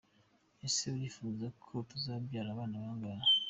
Ese urifuza ko tuzabyara abana bangahe?.